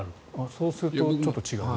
そうするとちょっと違う。